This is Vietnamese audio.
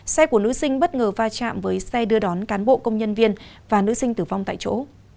xe của nữ sinh bất ngờ va chạm với xe đưa đón cán bộ công nhân viên và nữ sinh tử vong tại chỗ